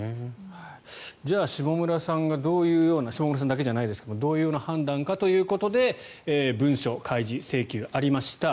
じゃあ、下村さんがどういうような下村さんだけじゃないですがどういう判断かということで文書開示請求ありました。